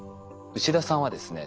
牛田さんはですね